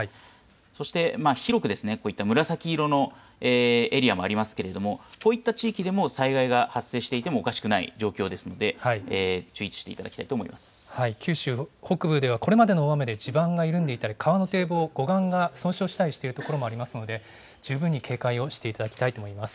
そして広く、こういった紫色のエリアもありますけれども、こういった地域でも災害が発生していてもおかしくない状況ですので、注九州北部ではこれまでの大雨で地盤が緩んでいたり、川の堤防、護岸が損傷したりしている所もありますので、十分に警戒をしていただきたいと思います。